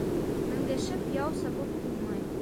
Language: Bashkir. Менгәшеп яу сабып булмай.